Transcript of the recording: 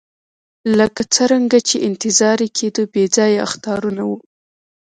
لکه څرنګه چې انتظار یې کېدی بې ځایه اخطارونه وو.